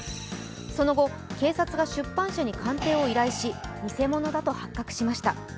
その後、警察が出版社に鑑定を依頼し偽物だと発覚しました。